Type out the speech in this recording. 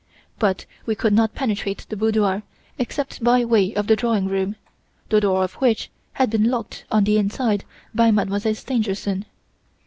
But we could not penetrate the boudoir except by way of the drawing room, the door of which had been locked on the inside by Mademoiselle Stangerson.